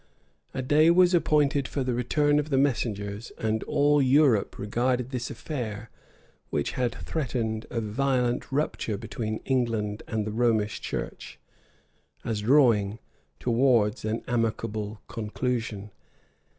A day was appointed for the return of the messengers; and all Europe regarded this affair, which had threatened a violent rupture between England and the Romish church, as drawing towards an amicable conclusion.